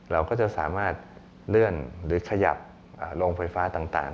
เราก็จะสามารถเลื่อนหรือขยับโรงไฟฟ้าต่าง